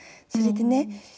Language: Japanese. それでね